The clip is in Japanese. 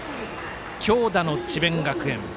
強打の智弁学園。